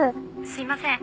すいません